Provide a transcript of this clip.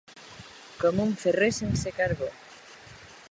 Com un ferrer sense carbó.